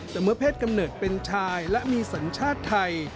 แต่เมื่อเพศกำเนิดเป็นชายและมีสัญชาติไทย